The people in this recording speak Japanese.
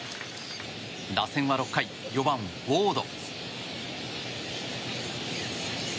打線は６回４番、ウォード。